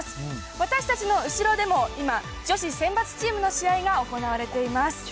私たちの後ろでも今、女子選抜チームの試合が行われています。